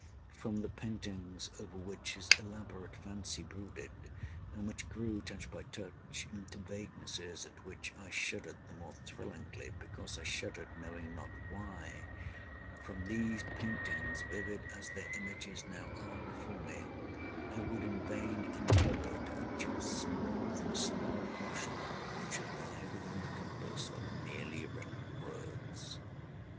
From the paintings over which his elaborate fancy brooded, and which grew, touch by touch, into vaguenesses at which I shuddered the more thrillingly, because I shuddered knowing not why—from these paintings (vivid as their images now are before me) I would in vain endeavor to educe more than a small portion which should lie within the compass of merely written words.